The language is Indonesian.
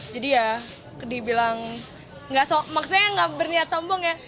jadi ya dibilang maksudnya nggak berniat sambung ya